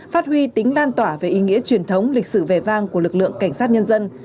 phát huy tính lan tỏa về ý nghĩa truyền thống lịch sử vẻ vang của lực lượng cảnh sát nhân dân